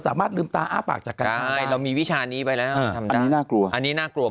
สามารถลืมตาอ้าวปากจากเรามีวิชานี้ไปแล้วอันนี้น่ากลัวอัน